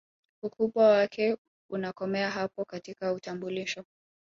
Ukubwa wake unakomea hapo katika utambulisho